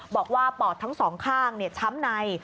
ปอดทั้งสองข้างช้ำใน